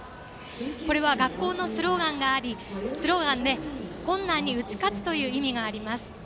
これは学校のスローガンで困難に打ち勝つという意味があります。